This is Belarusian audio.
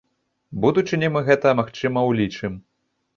У будучыні мы гэта, магчыма, улічым.